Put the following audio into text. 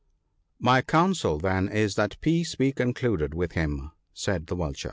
" My counsel then is that peace be concluded with him," said the Vulture.